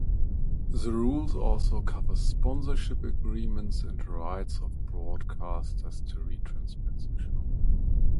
The rules also cover sponsorship agreements and rights of broadcasters to re-transmit the show.